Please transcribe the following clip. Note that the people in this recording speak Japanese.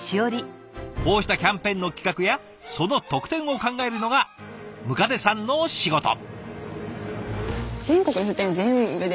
こうしたキャンペーンの企画やその特典を考えるのが百足さんの仕事。